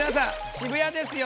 渋谷ですよ